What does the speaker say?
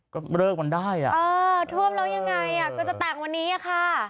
ก็เลิกมันได้ท่วมแล้วยังไงก็จะแตกวันนี้ค่ะ